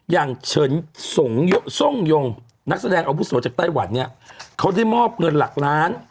เฉินสงทรงยงนักแสดงอาวุโสจากไต้หวันเนี่ยเขาได้มอบเงินหลักล้าน